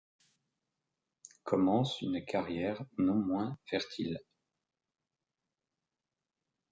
Commence une carrière non moins fertile.